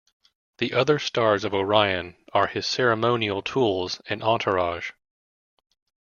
The other stars of Orion are his ceremonial tools and entourage.